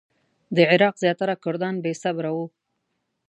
د عراق زیاتره کردان بې صبره وو.